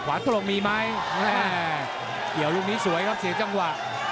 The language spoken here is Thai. ขวานตรงมีมั้ยเอ่อเดี๋ยวลูกนี้สวยครับเสียจังหวะ